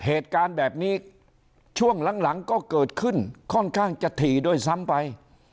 เหตุการณ์แบบนี้ช่วงหลังก็เกิดขึ้นค่อนข้างจะถี่ด้วยซ้ำไป